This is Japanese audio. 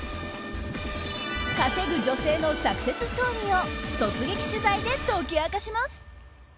稼ぐ女性のサクセスストーリーを突撃取材で解き明かします。